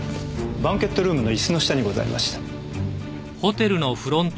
バンケットルームの椅子の下にございました。